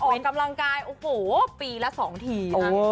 ออกกำลังกายปีละ๒ที